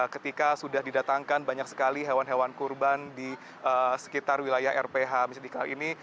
ketika sudah didatangkan banyak sekali hewan hewan kurban di sekitar wilayah rph masjid istiqlal ini